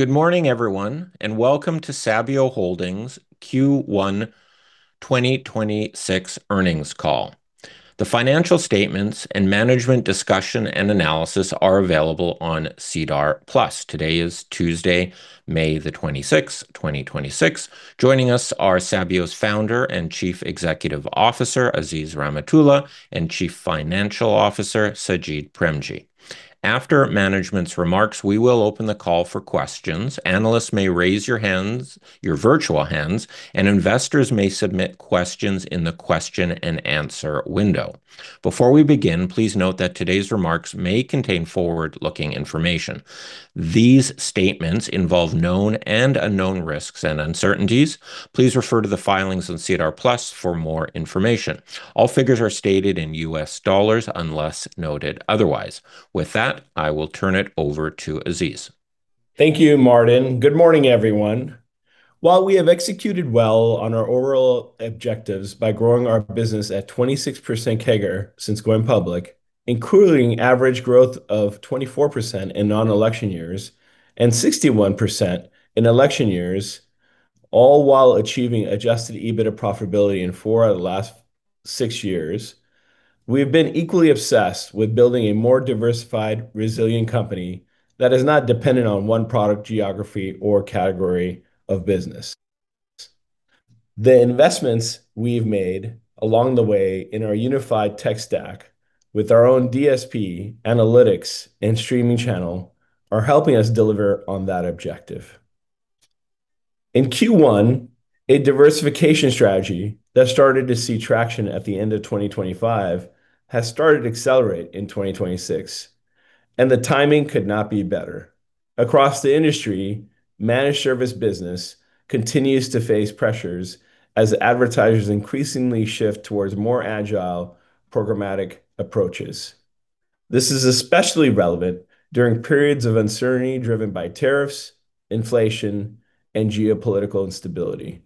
Good morning everyone, welcome to Sabio Holdings Q1 2026 earnings call. The financial statements and management discussion and analysis are available on SEDAR+. Today is Tuesday, May the 26th, 2026. Joining us are Sabio's Founder and Chief Executive Officer, Aziz Rahimtoola, and Chief Financial Officer, Sajid Premji. After management's remarks, we will open the call for questions. Analysts may raise your virtual hands, and investors may submit questions in the question and answer window. Before we begin, please note that today's remarks may contain forward-looking information. These statements involve known and unknown risks and uncertainties. Please refer to the filings on SEDAR+ for more information. All figures are stated in U.S. dollars unless noted otherwise. With that, I will turn it over to Aziz. Thank you, Martin. Good morning, everyone. While we have executed well on our overall objectives by growing our business at 26% CAGR since going public, including average growth of 24% in non-election years and 61% in election years, all while achieving adjusted EBITDA profitability in four of the last six years, we've been equally obsessed with building a more diversified, resilient company that is not dependent on one product, geography, or category of business. The investments we've made along the way in our unified tech stack with our own DSP, analytics, and streaming channel are helping us deliver on that objective. In Q1, a diversification strategy that started to see traction at the end of 2025 has started to accelerate in 2026, and the timing could not be better. Across the industry, managed service business continues to face pressures as advertisers increasingly shift towards more agile programmatic approaches. This is especially relevant during periods of uncertainty driven by tariffs, inflation, and geopolitical instability,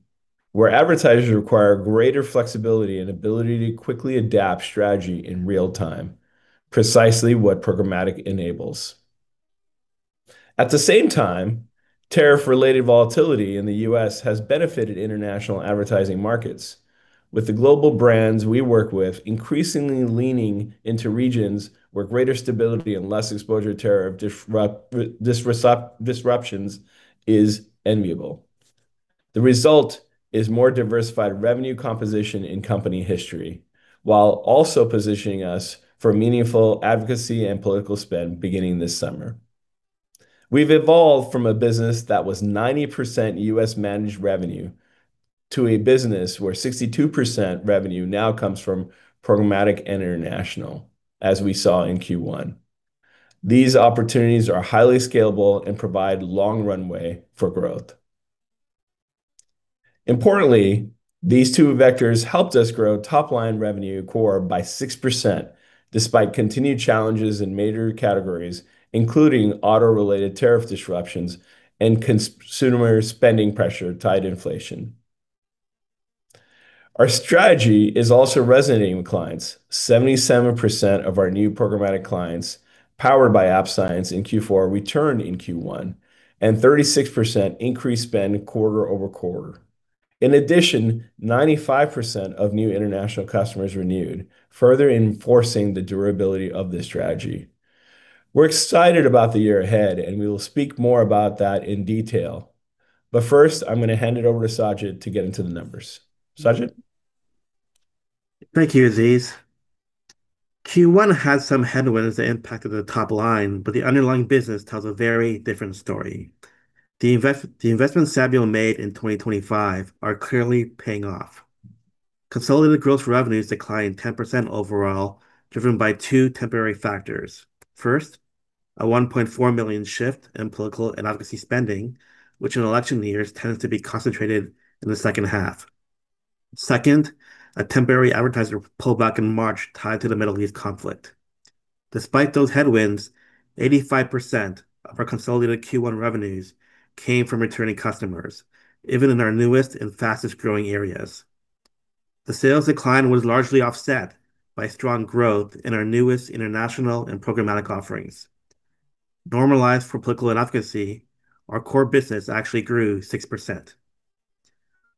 where advertisers require greater flexibility and ability to quickly adapt strategy in real time, precisely what programmatic enables. At the same time, tariff-related volatility in the U.S. has benefited international advertising markets with the global brands we work with increasingly leaning into regions where greater stability and less exposure to tariff disruptions is enviable. The result is more diversified revenue composition in company history, while also positioning us for meaningful advocacy and political spend beginning this summer. We've evolved from a business that was 90% U.S. managed revenue to a business where 62% revenue now comes from programmatic international, as we saw in Q1. These opportunities are highly scalable and provide long runway for growth. Importantly, these two vectors helped us grow top-line revenue core by 6%, despite continued challenges in major categories, including auto-related tariff disruptions and consumer spending pressure tied to inflation. Our strategy is also resonating with clients. 77% of our new programmatic clients, powered by AppScience in Q4, returned in Q1, and 36% increased spend quarter-over-quarter. In addition, 95% of new international customers renewed, further enforcing the durability of this strategy. We're excited about the year ahead, and we will speak more about that in detail. But first, I'm going to hand it over to Sajid to get into the numbers. Sajid? Thank you, Aziz. Q1 had some headwinds that impacted the top line, but the underlying business tells a very different story. The investments Sabio made in 2025 are clearly paying off. Consolidated gross revenues declined 10% overall, driven by two temporary factors. First, a $1.4 million shift in political and advocacy spending, which in election years tends to be concentrated in the second half. Second, a temporary advertiser pullback in March tied to the Middle East conflict. Despite those headwinds, 85% of our consolidated Q1 revenues came from returning customers, even in our newest and fastest-growing areas. The sales decline was largely offset by strong growth in our newest international and programmatic offerings. Normalized for political and advocacy, our core business actually grew 6%.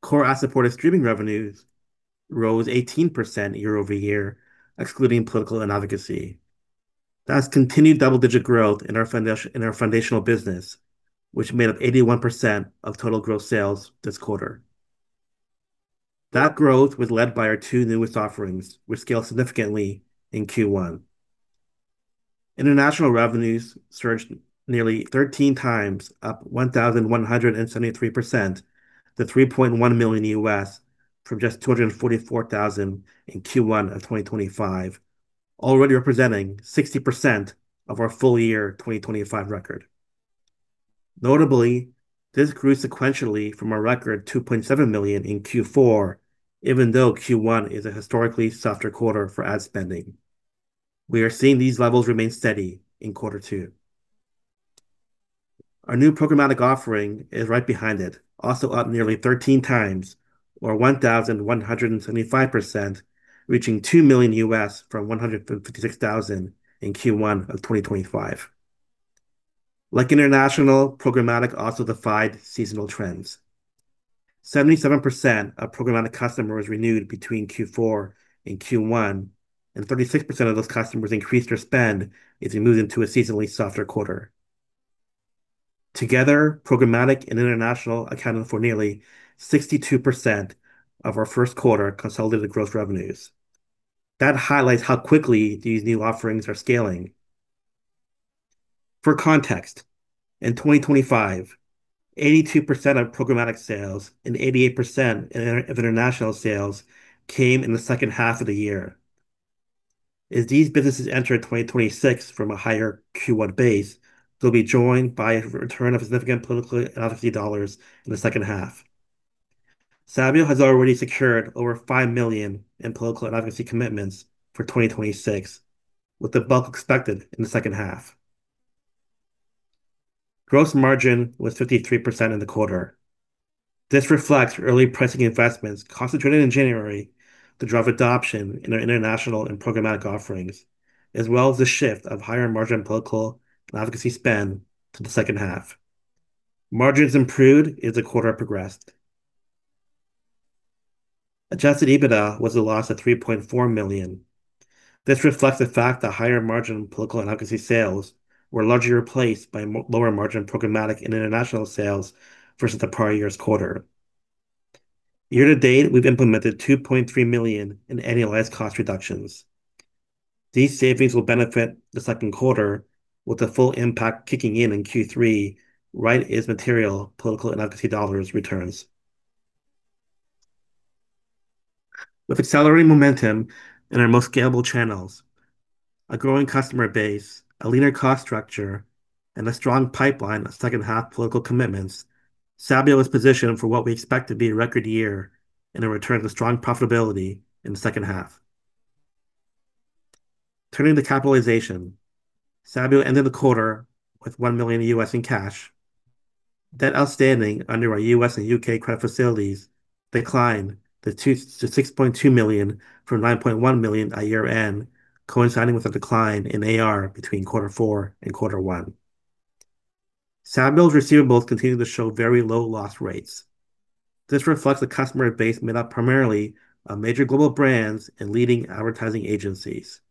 Core ad-supported streaming revenues rose 18% year-over-year, excluding political and advocacy. That's continued double-digit growth in our foundational business, which made up 81% of total gross sales this quarter. That growth was led by our two newest offerings, which scaled significantly in Q1. International revenues surged nearly 13x, up 1,173% to $3.1 million from just $244,000 in Q1 of 2025, already representing 60% of our full year 2025 record. Notably, this grew sequentially from a record $2.7 million in Q4, even though Q1 is a historically softer quarter for ad spending. We are seeing these levels remain steady in quarter two. Our new programmatic offering is right behind it, also up nearly 13x or 1,175%, reaching $2 million from $156,000 in Q1 of 2025. Like international, programmatic also defied seasonal trends. 77% of programmatic customers renewed between Q4 and Q1, and 36% of those customers increased their spend as we move into a seasonally softer quarter. Together, programmatic and international accounted for nearly 62% of our first quarter consolidated gross revenues. That highlights how quickly these new offerings are scaling. For context, in 2025, 82% of programmatic sales and 88% of international sales came in the second half of the year. As these businesses enter 2026 from a higher Q1 base, they'll be joined by the return of significant political and advocacy dollars in the second half. Sabio has already secured over $5 million in political and advocacy commitments for 2026, with the bulk expected in the second half. Gross margin was 53% in the quarter. This reflects early pricing investments concentrated in January to drive adoption in our international and programmatic offerings, as well as the shift of higher-margin political and advocacy spend to the second half. Margins improved as the quarter progressed. Adjusted EBITDA was a loss of $3.4 million. This reflects the fact that higher margin political and advocacy sales were largely replaced by lower margin programmatic and international sales versus the prior year's quarter. Year-to-date, we've implemented $2.3 million in annualized cost reductions. These savings will benefit the second quarter, with the full impact kicking in in Q3, right as material political and advocacy dollars returns. With accelerating momentum in our most scalable channels, a growing customer base, a leaner cost structure, and a strong pipeline of second-half political commitments, Sabio is positioned for what we expect to be a record year and a return to strong profitability in the second half. Turning to capitalization, Sabio ended the quarter with $1 million in cash. Debt outstanding under our U.S. and U.K. credit facilities declined to $6.2 million from $9.1 million at year-end, coinciding with a decline in AR between quarter four and quarter one. Sabio's receivables continue to show very low loss rates. This reflects a customer base made up primarily of major global brands and leading advertising agencies.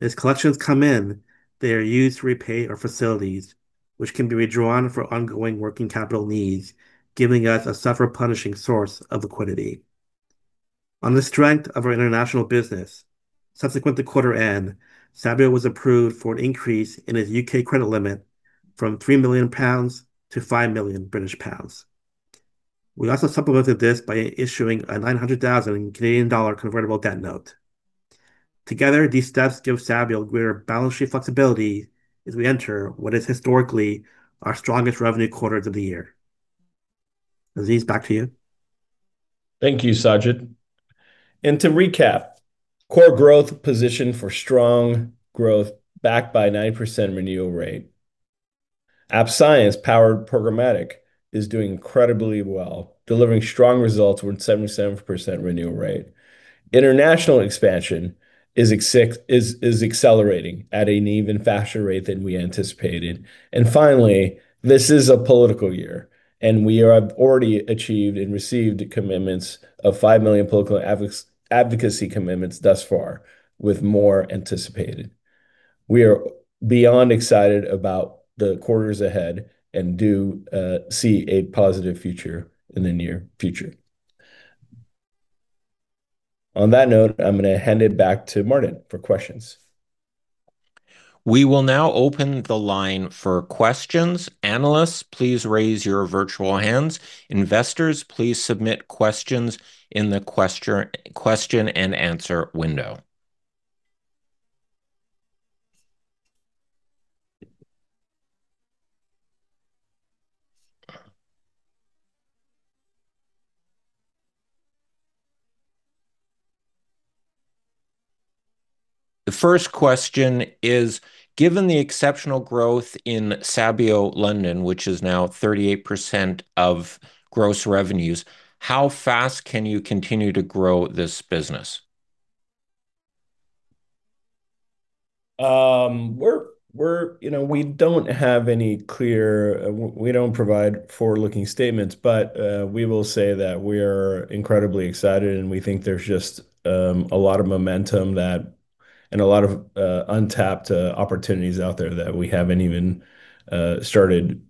As collections come in, they are used to repay our facilities, which can be redrawn for ongoing working capital needs, giving us a self-replenishing source of liquidity. On the strength of our international business, subsequent to quarter end, Sabio was approved for an increase in its U.K. credit limit from 3 million pounds to 5 million British pounds. We also supplemented this by issuing a 900,000 Canadian dollar convertible debt note. Together, these steps give Sabio greater balance sheet flexibility as we enter what is historically our strongest revenue quarter of the year. Aziz, back to you. Thank you, Sajid. To recap, core growth positioned for strong growth backed by 9% renewal rate. App Science powered programmatic is doing incredibly well, delivering strong results with 77% renewal rate. International expansion is accelerating at an even faster rate than we anticipated. Finally, this is a political year, and we have already achieved and received the commitments of 5 million political advocacy commitments thus far, with more anticipated. We are beyond excited about the quarters ahead and do see a positive future in the near future. On that note, I'm going to hand it back to Martin for questions. We will now open the line for questions. Analysts, please raise your virtual hands. Investors, please submit questions in the question and answer window. The first question is, given the exceptional growth in Sabio London, which is now 38% of gross revenues, how fast can you continue to grow this business? We don't provide forward-looking statements. We will say that we are incredibly excited, and we think there's just a lot of momentum and a lot of untapped opportunities out there that we haven't even started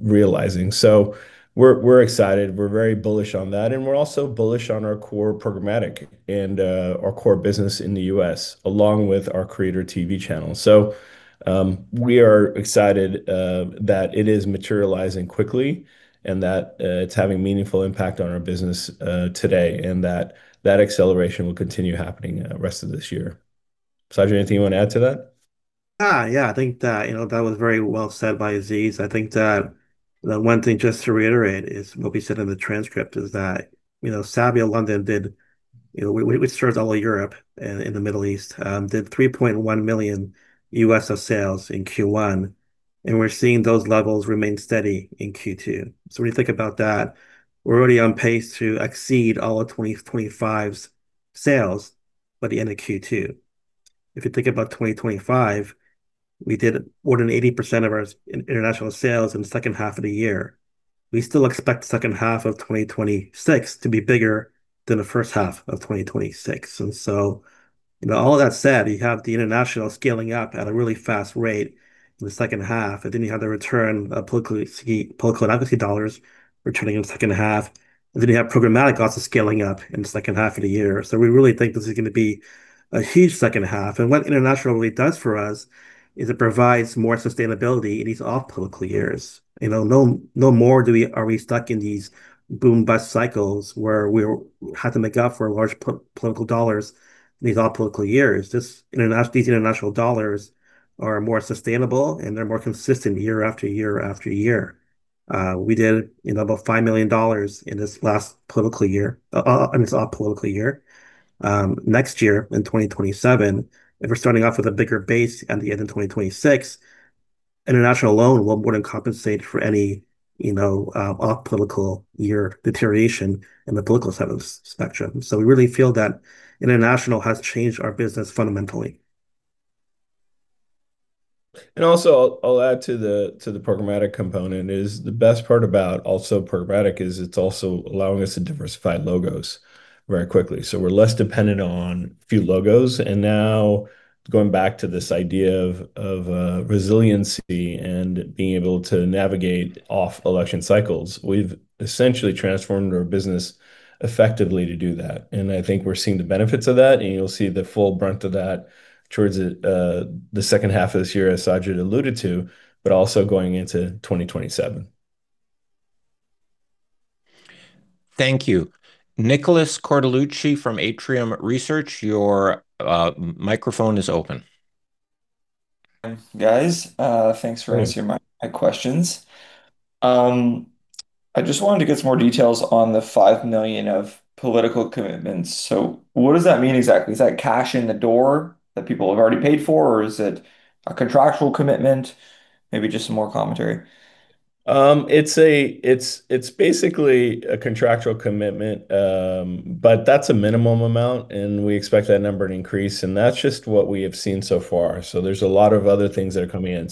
realizing. We're excited. We're very bullish on that, and we're also bullish on our core programmatic and our core business in the U.S., along with our CreatorTV channel. We are excited that it is materializing quickly and that it's having a meaningful impact on our business today and that acceleration will continue happening the rest of this year. Saj, anything you want to add to that? Yeah. I think that was very well said by Aziz. I think that the one thing just to reiterate is what we said in the transcript is that Sabio London did, we serve all Europe and the Middle East, did $3.1 million of sales in Q1. We're seeing those levels remain steady in Q2. When you think about that, we're already on pace to exceed all of 2025's sales by the end of Q2. If you think about 2025, we did more than 80% of our international sales in the second half of the year. We still expect the second half of 2026 to be bigger than the first half of 2026. All that said, you have the international scaling up at a really fast rate in the second half, and then you have the return of political advocacy dollars returning in the second half. Then you have programmatic also scaling up in the second half of the year. We really think this is going to be a huge second half. What international really does for us is it provides more sustainability in these off-political years. No more are we stuck in these boom-bust cycles where we have to make up for large political dollars in these off-political years. These international dollars are more sustainable, and they're more consistent year after year after year. We did about $5 million in this last political year, in this off-political year. Next year, in 2027, if we're starting off with a bigger base at the end of 2026, international alone would compensate for any off-political year deterioration in the political side of the spectrum. We really feel that international has changed our business fundamentally. Also, I'll add to the programmatic component is the best part about also programmatic is it's also allowing us to diversify logos very quickly. We're less dependent on a few logos. Now going back to this idea of resiliency and being able to navigate off-election cycles, we've essentially transformed our business effectively to do that. I think we're seeing the benefits of that, and you'll see the full brunt of that towards the second half of this year, as Sajid alluded to, but also going into 2027. Thank you. Nicholas Cortellucci from Atrium Research, your microphone is open. Guys, thanks for answering my questions. I just wanted to get some more details on the $5 million of political commitments. What does that mean exactly? Is that cash in the door that people have already paid for, or is it a contractual commitment? Maybe just some more commentary. It's basically a contractual commitment, but that's a minimum amount, and we expect that number to increase. That's just what we have seen so far. There's a lot of other things that are coming in.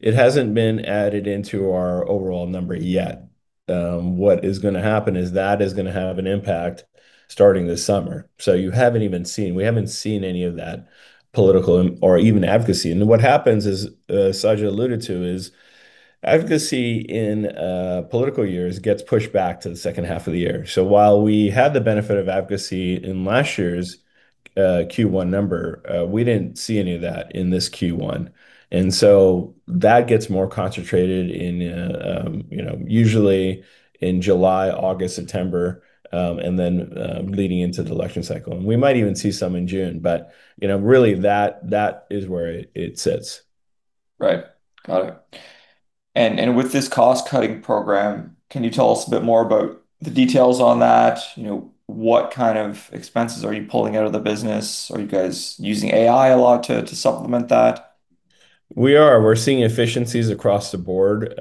It hasn't been added into our overall number yet. What is going to happen is that is going to have an impact starting this summer. You haven't even seen, we haven't seen any of that political or even advocacy. What happens is, as Sajid alluded to, is advocacy in political years gets pushed back to the second half of the year. While we had the benefit of advocacy in last year's Q1 number, we didn't see any of that in this Q1. That gets more concentrated usually in July, August, September, and then leading into the election cycle. We might even see some in June. Really that is where it sits. Right. Got it. With this cost-cutting program, can you tell us a bit more about the details on that? What kind of expenses are you pulling out of the business? Are you guys using AI a lot to supplement that? We're seeing efficiencies across the board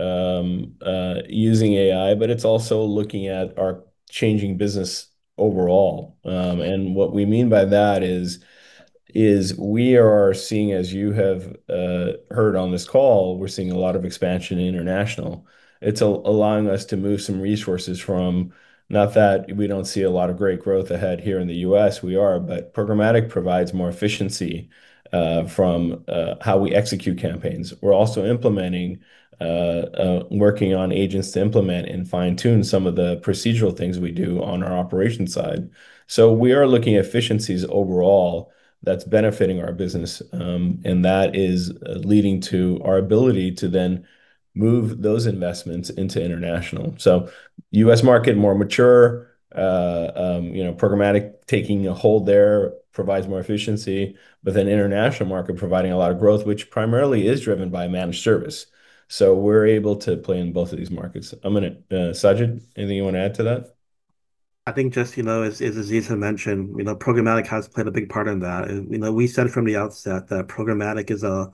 using AI, but it's also looking at our changing business overall. What we mean by that is we are seeing, as you have heard on this call, a lot of expansion international. It's allowing us to move some resources from, not that we don't see a lot of great growth ahead here in the U.S., we are, programmatic provides more efficiency from how we execute campaigns. We're also implementing, working on agents to implement and fine-tune some of the procedural things we do on our operations side. We are looking at efficiencies overall that's benefiting our business, that is leading to our ability to then move those investments into international. U.S. market, more mature, programmatic taking a hold there provides more efficiency. International market providing a lot of growth, which primarily is driven by managed service. We're able to play in both of these markets. Sajid, anything you want to add to that? I think, just you know, as Aziz mentioned, programmatic has played a big part in that. We said from the outset that programmatic is a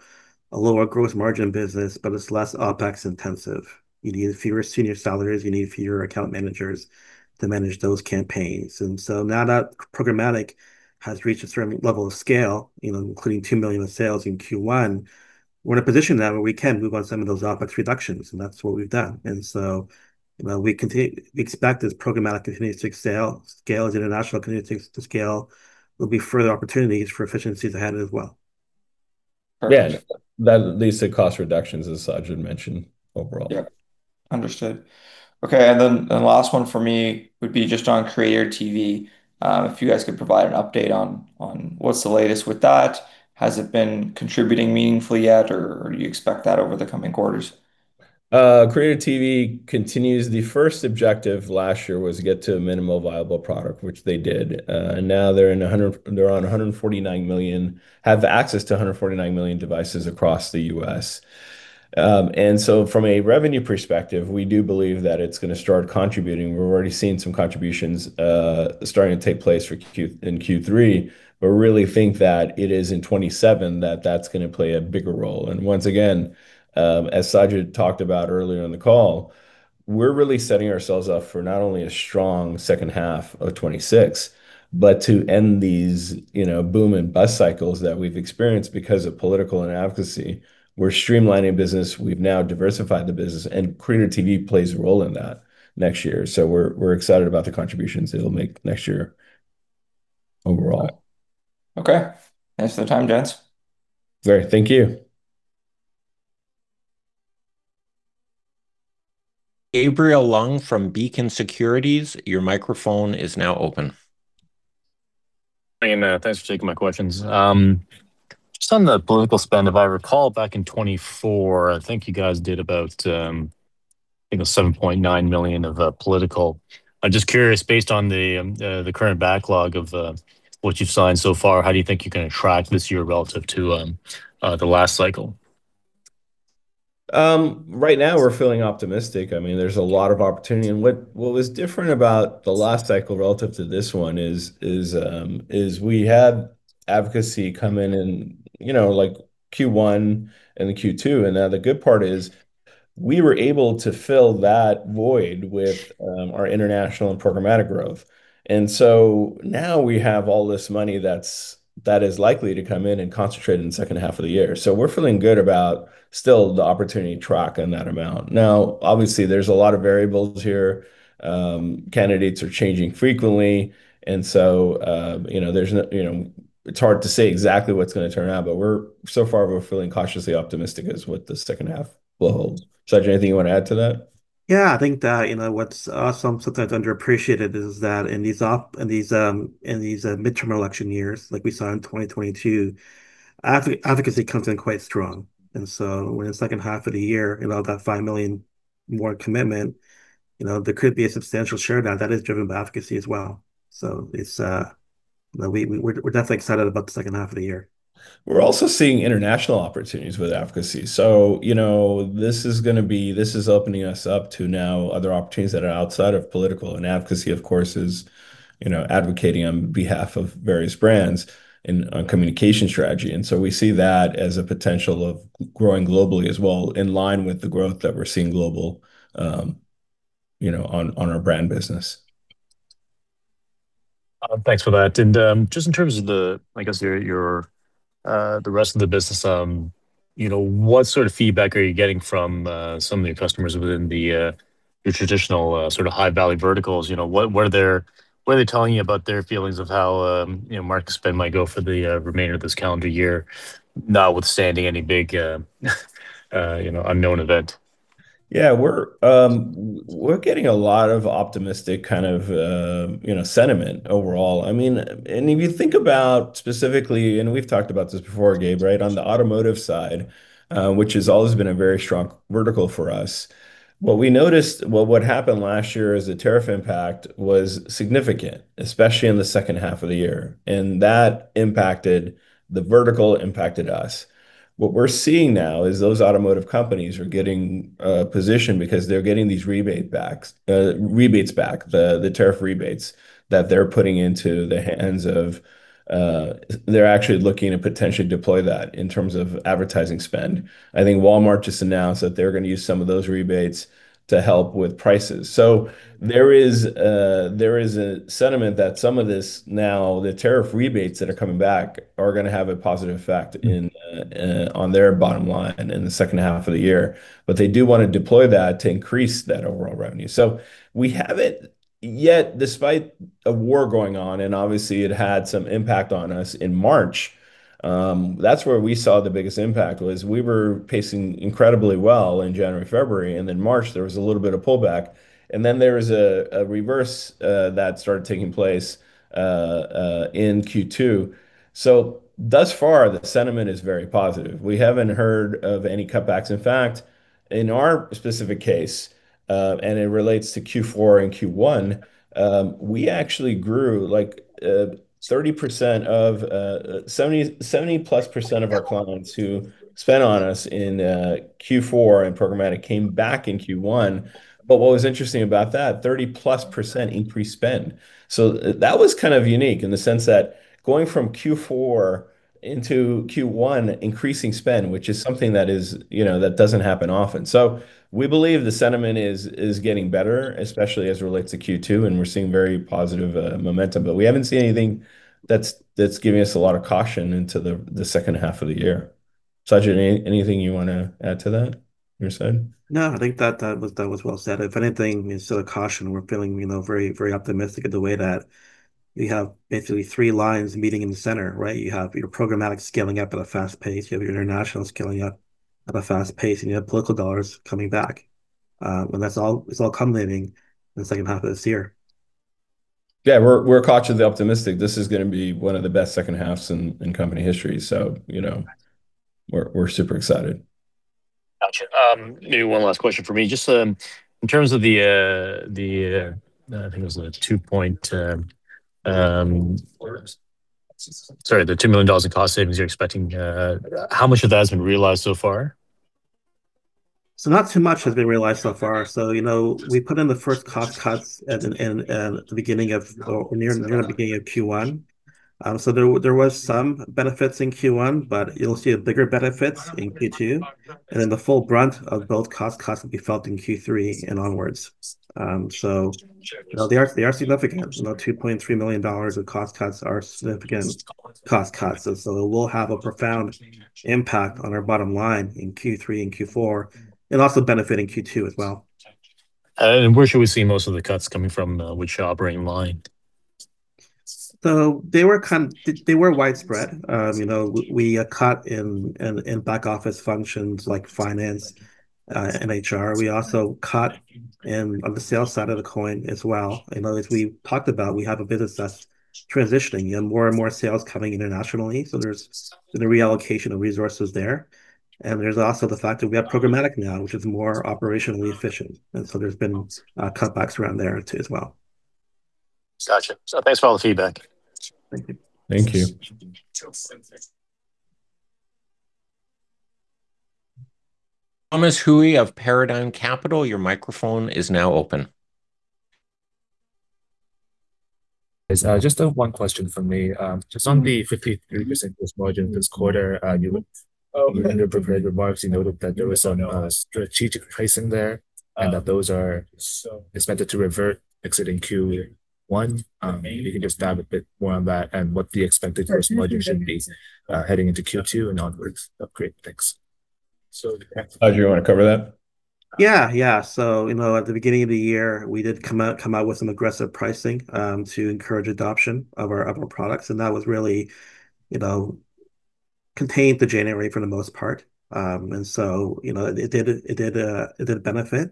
lower gross margin business, but it's less OpEx intensive. You need fewer senior salaries, you need fewer account managers to manage those campaigns. Now that programmatic has reached a certain level of scale, including $2 million in sales in Q1, we're in a position now where we can move on some of those OpEx reductions, and that's what we've done. We expect as programmatic continues to scale, as international continues to scale, there'll be further opportunities for efficiencies ahead as well. Yeah. Leads to cost reductions, as Sajid mentioned, overall. Yep. Understood. Okay. The last one for me would be just on Creator TV. If you guys could provide an update on what's the latest with that. Has it been contributing meaningfully yet, or do you expect that over the coming quarters? Creator TV continues. The first objective last year was to get to a minimum viable product, which they did. Now they have access to 149 million devices across the U.S. From a revenue perspective, we do believe that it's going to start contributing. We're already seeing some contributions starting to take place in Q3, really think that it is in 2027 that that's going to play a bigger role. Once again, as Sajid talked about earlier in the call, we're really setting ourselves up for not only a strong second half of 2026, to end these boom and bust cycles that we've experienced because of political and advocacy. We're streamlining business. We've now diversified the business, Creator TV plays a role in that next year. We're excited about the contributions it'll make next year overall. Okay. Thanks for the time, gents. Great. Thank you. Gabriel Leung from Beacon Securities, your microphone is now open. Hi, thanks for taking my questions. Some of the political spend, if I recall back in 2024, I think you guys did about $7.9 million of political. I'm just curious, based on the current backlog of what you've signed so far, how do you think you're going to track this year relative to the last cycle? Right now, we're feeling optimistic. There's a lot of opportunity. What was different about the last cycle relative to this one is, we had advocacy come in in Q1 and Q2. The good part is we were able to fill that void with our international and programmatic growth. Now we have all this money that is likely to come in and concentrate in the second half of the year. We're feeling good about still the opportunity to track on that amount. Obviously, there's a lot of variables here. Candidates are changing frequently, and so it's hard to say exactly what's going to turn out, but we're so far feeling cautiously optimistic is what the second half will hold. Sajid, anything you want to add to that? Yeah, I think that what's sometimes underappreciated is that in these midterm election years, like we saw in 2022, advocacy comes in quite strong. In the second half of the year, about that $5 million more commitment, there could be a substantial share of that that is driven by advocacy as well. We're definitely excited about the second half of the year. We're also seeing international opportunities with advocacy. This is opening us up to now other opportunities that are outside of political. Advocacy, of course, is advocating on behalf of various brands in a communication strategy. We see that as a potential of growing globally as well, in line with the growth that we're seeing global on our brand business. Thanks for that. Just in terms of the rest of the business, what sort of feedback are you getting from some of the customers within the traditional sort of high-value verticals? What are they telling you about their feelings of how market spend might go for the remainder of this calendar year, notwithstanding any big unknown event? Yeah, we're getting a lot of optimistic kind of sentiment overall. If you think about specifically, and we've talked about this before, Gabe, right on the automotive side, which has always been a very strong vertical for us, what we noticed, what happened last year as a tariff impact was significant, especially in the second half of the year. That impacted the vertical, impacted us. What we're seeing now is those automotive companies are getting a position because they're getting these rebates back, the tariff rebates that they're actually looking to potentially deploy that in terms of advertising spend. I think Walmart just announced that they're going to use some of those rebates to help with prices. There is a sentiment that some of this now, the tariff rebates that are coming back are going to have a positive effect on their bottom line in the second half of the year. They do want to deploy that to increase that overall revenue. We haven't yet, despite a war going on, and obviously it had some impact on us in March. That's where we saw the biggest impact was we were pacing incredibly well in January, February, and then March, there was a little bit of pullback, and then there was a reverse that started taking place in Q2. Thus far, the sentiment is very positive. We haven't heard of any cutbacks. In fact, in our specific case, it relates to Q4 and Q1, we actually grew like 70% plus of our clients who spent on us in Q4 in programmatic came back in Q1. What was interesting about that, 30+% increased spend. That was kind of unique in the sense that going from Q4 into Q1, increasing spend, which is something that doesn't happen often. We believe the sentiment is getting better, especially as it relates to Q2, we're seeing very positive momentum, but we haven't seen anything that's giving us a lot of caution into the second half of the year. Sajid, anything you want to add to that, your side? I think that was well said. If anything, instead of caution, we're feeling very optimistic in the way that we have basically three lines meeting in the center, right. You have your programmatic scaling up at a fast pace. You have your international scaling up at a fast pace, and you have political dollars coming back. That's all culminating in the second half of this year. We're cautiously optimistic. This is going to be one of the best second halves in company history. We're super excited. Got you. Maybe one last question for me. Just in terms of the, I think it was the two-point. Sorry, the $2 million in cost savings you're expecting, how much of that has been realized so far? Not too much has been realized so far. We put in the first cost cuts at the beginning of Q1. There was some benefits in Q1, but you'll see bigger benefits in Q2. The full brunt of both cost cuts will be felt in Q3 and onwards. They are significant. About $2.3 million of cost cuts are significant cost cuts. It will have a profound impact on our bottom line in Q3 and Q4. It'll also benefit in Q2 as well. Where should we see most of the cuts coming from? Which operating line? They were widespread. We cut in back office functions like finance, and HR. We also cut on the sales side of the coin as well. As we've talked about, we have a business that's transitioning and more and more sales coming internationally. There's been a reallocation of resources there. There's also the fact that we have programmatic now, which is more operationally efficient. There's been cutbacks around there too as well. Got you. Thanks for all the feedback. Thank you. Thomas Hui of Paradigm Capital, your microphone is now open. Just have one question for me. On the 53% gross margin this quarter, in the prepared remarks, you noted that there was some strategic pricing there and that those are expected to revert exiting Q1. If you can just elaborate a bit more on that and what the expected gross margin should be heading into Q2 and onwards. That'd be great. Thanks. Saj, do you want to cover that? At the beginning of the year, we did come out with some aggressive pricing to encourage adoption of our products. That was really contained to January for the most part. It did benefit.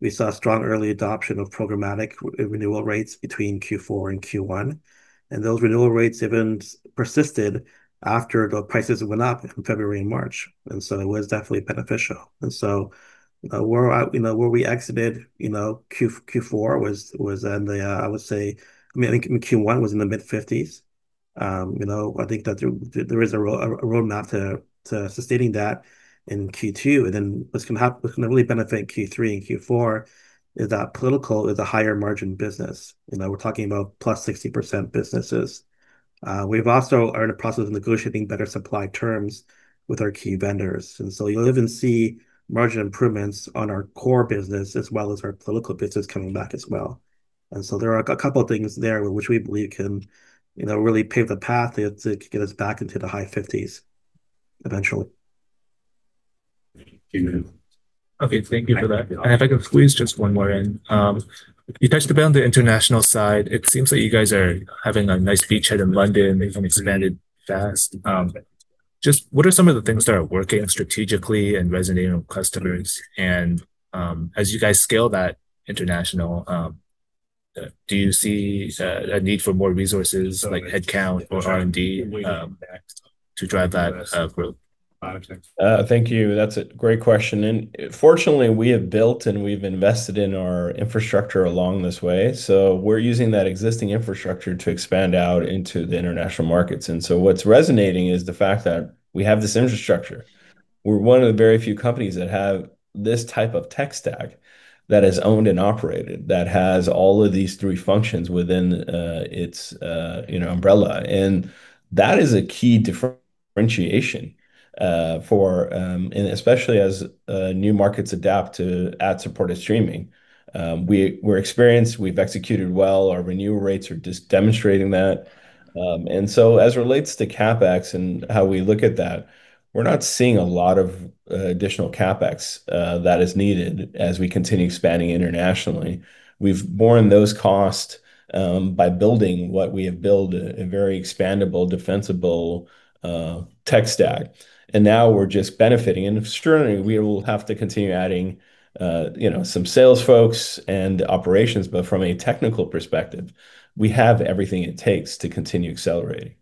We saw strong early adoption of programmatic renewal rates between Q4 and Q1, and those renewal rates even persisted after the prices went up in February and March. It was definitely beneficial. Where we exited Q4 was in the, I would say, I think Q1 was in the mid-50s. I think that there is a roadmap to sustaining that in Q2. What's going to really benefit Q3 and Q4 is that political is a higher margin business. We're talking about +60% businesses. We've also are in the process of negotiating better supply terms with our key vendors. You'll even see margin improvements on our core business as well as our political business coming back as well. There are a couple of things there which we can really pave a path to get us back into the high 50s eventually. Okay. Thank you for that. If I can squeeze just one more in. You touched a bit on the international side. It seems like you guys are having a nice beachhead in London, things have expanded fast. Just what are some of the things that are working strategically and resonating with customers? As you guys scale that international, do you see a need for more resources like headcount or R&D to drive that growth? Thank you. That's a great question. Fortunately, we have built and we've invested in our infrastructure along this way. We're using that existing infrastructure to expand out into the international markets. What's resonating is the fact that we have this infrastructure. We're one of the very few companies that have this type of tech stack that is owned and operated, that has all of these three functions within its umbrella. That is a key differentiation, especially as new markets adapt to ad-supported streaming. We're experienced, we've executed well, our renewal rates are just demonstrating that. As relates to CapEx and how we look at that, we're not seeing a lot of additional CapEx that is needed as we continue expanding internationally. We've borne those costs by building what we have built, a very expandable, defensible tech stack. Now we're just benefiting. Certainly, we will have to continue adding some sales folks and operations, but from a technical perspective, we have everything it takes to continue accelerating.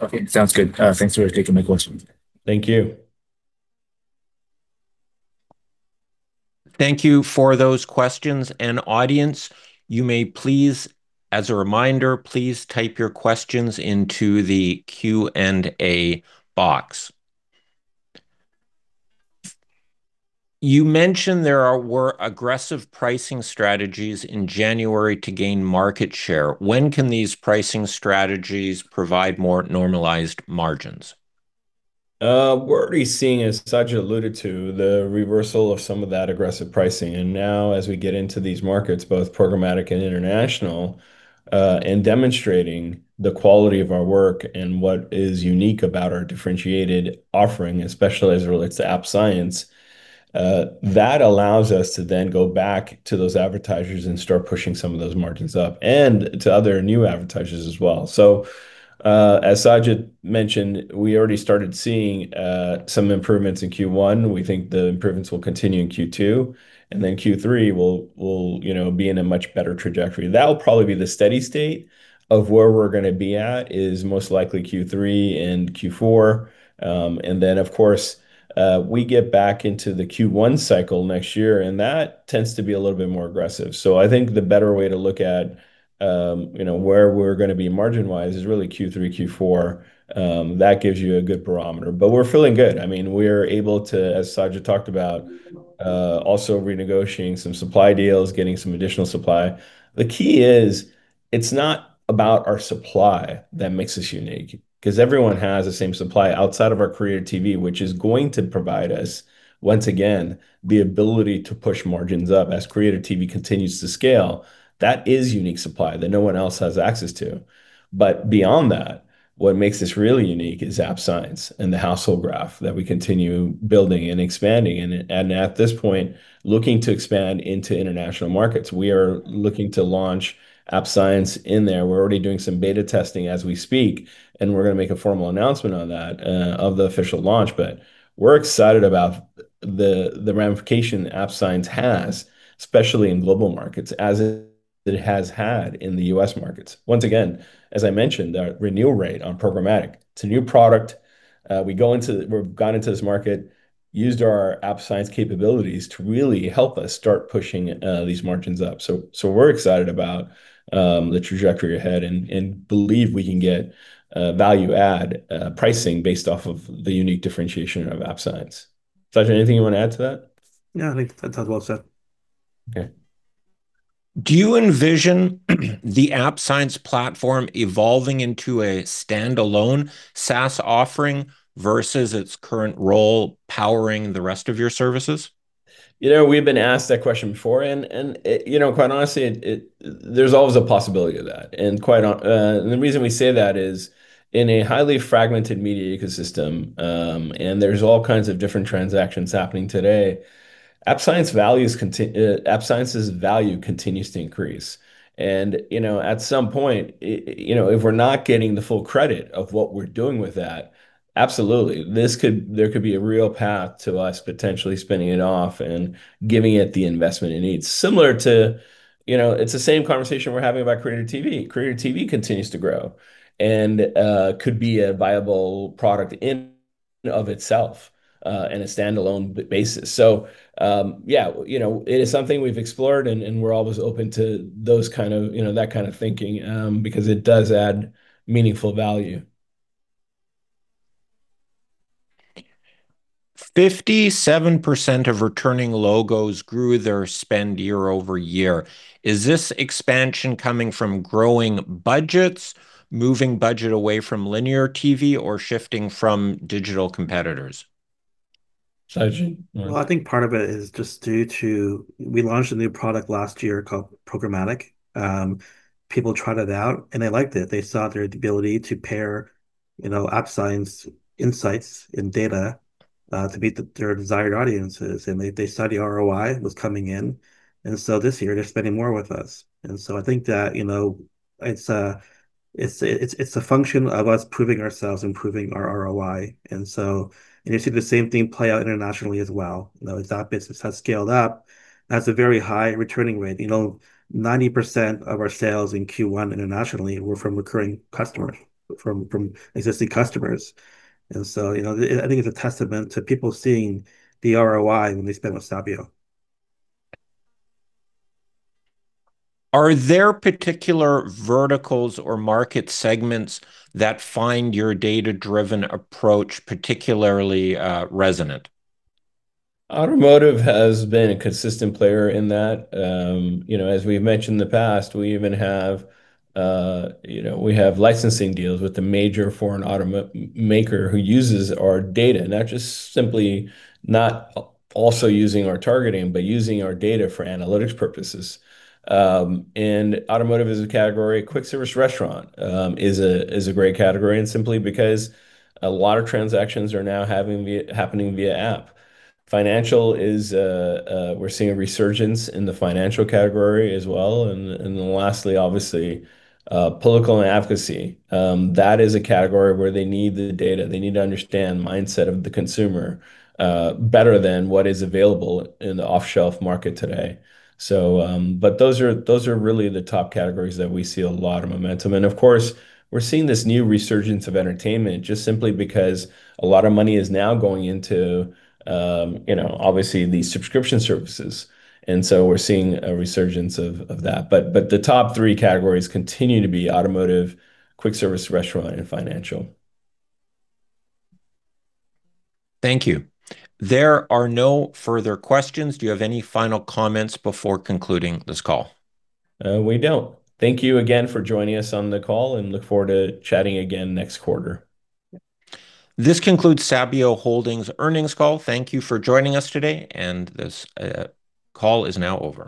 Okay. Sounds good. Thanks for taking my questions. Thank you. Thank you for those questions. Audience, you may please, as a reminder, please type your questions into the Q&A box. You mentioned there were aggressive pricing strategies in January to gain market share. When can these pricing strategies provide more normalized margins? What are we seeing is Saj looked into the reversal of some of that aggressive pricing. Now as we get into these markets, both programmatic and international, and demonstrating the quality of our work and what is unique about our differentiated offering, especially as it relates to App Science, that allows us to then go back to those advertisers and start pushing some of those margins up, and to other new advertisers as well. As Saj mentioned, we already started seeing some improvements in Q1. We think the improvements will continue in Q2, Q3 we'll be in a much better trajectory. That'll probably be the steady state of where we're going to be at is most likely Q3 and Q4. We get back into the Q1 cycle next year, and that tends to be a little bit more aggressive. I think the better way to look at where we're going to be margin-wise is really Q3, Q4. That gives you a good barometer. We're feeling good. I mean, we are able to, as Sajid talked about, also renegotiating some supply deals, getting some additional supply. The key is. It's not about our supply that makes us unique, because everyone has the same supply outside of our Creator TV, which is going to provide us, once again, the ability to push margins up as Creator TV continues to scale. That is unique supply that no one else has access to. Beyond that, what makes us really unique is App Science and the household graph that we continue building and expanding. At this point, we are looking to expand into international markets. We are looking to launch App Science in there. We're already doing some beta testing as we speak, and we're going to make a formal announcement on that of the official launch. We're excited about the ramification App Science has, especially in global markets, as it has had in the U.S. markets. Once again, as I mentioned, our renewal rate on programmatic. It's a new product. We've gone into this market, used our App Science capabilities to really help us start pushing these margins up. We're excited about the trajectory ahead and believe we can get value add pricing based off of the unique differentiation of App Science. Saj, anything you want to add to that? No, I think that's about it. Okay. Do you envision the App Science platform evolving into a standalone SaaS offering versus its current role powering the rest of your services? Yeah, we've been asked that question before. Quite honestly, there's always a possibility of that. The reason we say that is in a highly fragmented media ecosystem, and there's all kinds of different transactions happening today, App Science's value continues to increase. At some point, if we're not getting the full credit of what we're doing with that, absolutely, there could be a real path to us potentially spinning it off and giving it the investment it needs. Similar to, it's the same conversation we're having about Creator TV. Creator TV continues to grow and could be a viable product in and of itself in a standalone basis. Yeah, it is something we've explored and we're always open to that kind of thinking, because it does add meaningful value. 57% of returning logos grew their spend year-over-year. Is this expansion coming from growing budgets, moving budget away from linear TV, or shifting from digital competitors? Sajid? I think part of it is just due to we launched a new product last year called Programmatic. People tried it out and they liked it. They saw their ability to pair App Science insights and data to meet their desired audiences, and they saw the ROI was coming in. This year they're spending more with us. I think that it's a function of us proving ourselves and proving our ROI. You see the same thing play out internationally as well. As that business has scaled up, that's a very high returning rate. 90% of our sales in Q1 internationally were from recurring customers, from existing customers. I think it's a testament to people seeing the ROI when they spend with Sabio. Are there particular verticals or market segments that find your data-driven approach particularly resonant? Automotive has been a consistent player in that. As we've mentioned in the past, we have licensing deals with a major foreign automaker who uses our data, not just simply not also using our targeting, but using our data for analytics purposes. Automotive is a category, quick service restaurant is a great category, simply because a lot of transactions are now happening via app. We're seeing a resurgence in the financial category as well. Lastly, obviously, political and advocacy. That is a category where they need the data. They need to understand mindset of the consumer better than what is available in the off-shelf market today. Those are really the top categories that we see a lot of momentum. Of course, we're seeing this new resurgence of entertainment just simply because a lot of money is now going into obviously these subscription services. We're seeing a resurgence of that. The top three categories continue to be automotive, quick service restaurant, and financial. Thank you. There are no further questions. Do you have any final comments before concluding this call? We don't. Thank you again for joining us on the call and look forward to chatting again next quarter. This concludes Sabio Holdings earnings call. Thank you for joining us today, and this call is now over.